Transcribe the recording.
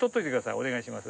お願いします。